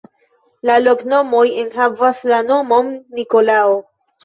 La loknomoj enhavas la nomon Nikolao.